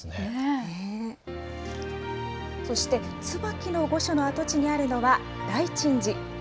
つばきの御所の跡地にあるのは大椿寺。